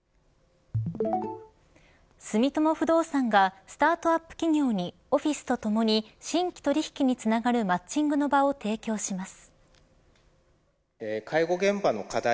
住友不動産がスタートアップ企業にオフィスとともに新規取引につながるマッチングの場を提供します。